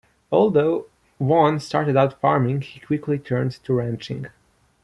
Although Vaughn started out farming, he quickly turned to ranching.